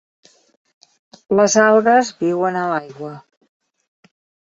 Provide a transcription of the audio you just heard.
Les algues viuen a l'aigua.